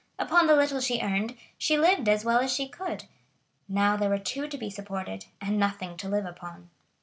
Upon the little she earned she lived as well as she could; now there were two to be supported, and nothing to live upon.